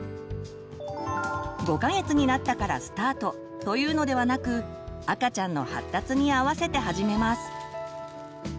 ５か月になったからスタートというのではなく赤ちゃんの発達にあわせて始めます。